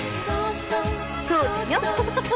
そうだよ。